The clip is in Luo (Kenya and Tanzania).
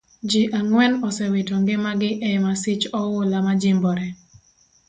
Ji angwen osewito ngima gi e masich oula majimbore.